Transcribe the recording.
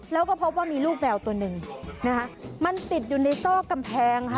แล้วก็พบว่ามีลูกแมวตัวหนึ่งนะคะมันติดอยู่ในซอกกำแพงค่ะ